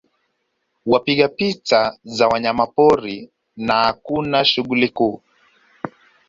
Wapiga picha za wanyamapori na hakuna shughuli kuu